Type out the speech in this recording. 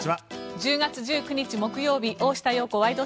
１０月１９日、木曜日「大下容子ワイド！